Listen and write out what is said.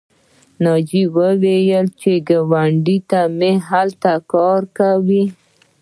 ناجیې وویل چې ګاونډۍ مې هلته کار کوي